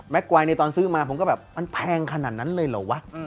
ไกลในตอนซื้อมาผมก็แบบมันแพงขนาดนั้นเลยเหรอวะ